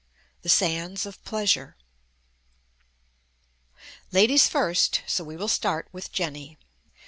THE SANDS OF PLEASURE Ladies first, so we will start with Jenny.